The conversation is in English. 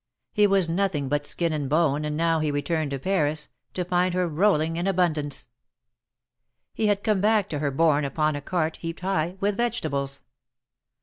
He was nothing but skin and bone, and now he returned to Paris, to find her rolling in abundance. He had come back to her borne 34 THE MARKETS OF PARIS. Upon a cart heaped high with vegetables.